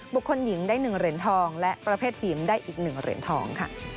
บุคคลหญิงได้๑เหรียญทองและประเภททีม๑เหรียญทอง